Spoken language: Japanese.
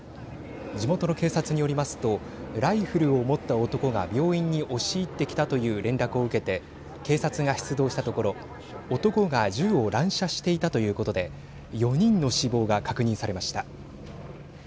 地元の警察によりますとライフルを持った男が病院に押し入ってきたという連絡を受けて警察が出動したところ男が銃を乱射していたということで４人の死亡が確認されました。